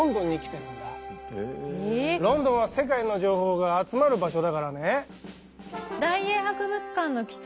ロンドンは世界の情報が集まる場所だからね。